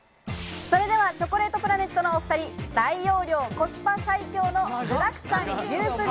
チョコレートプラネットのお２人、大容量、コスパ最強の具だくさん牛すじ